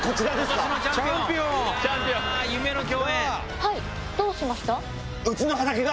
はいどうしました？